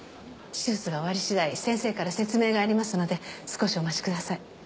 手術が終わりしだい先生から説明がありますので少しお待ちください。